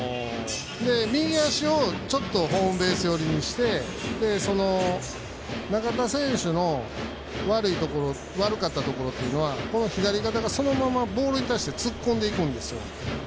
右足をちょっとホームベース寄りにして中田選手の悪かったところというのはこの左肩がそのままボールに対して突っ込んでいくんですよ。